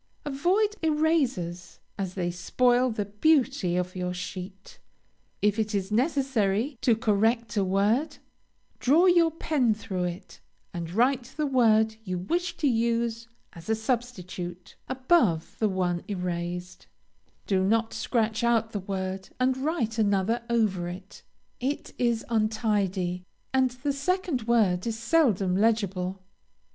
Avoid erasures, as they spoil the beauty of your sheet. If it is necessary to correct a word, draw your pen through it, and write the word you wish to use as a substitute, above the one erased; do not scratch out the word and write another over it: it is untidy, and the second word is seldom legible.